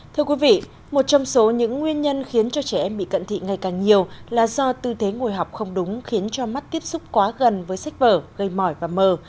thưa quý vị một trong số những nguyên nhân khiến cho trẻ em bị cận thị ngày càng nhiều là do tư thế ngồi học không đúng khiến cho mắt tiếp xúc quá gần với sách vở gây mỏi và mờ